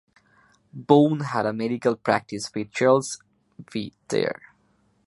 Boone had a medical practice with Charles V. Dyer.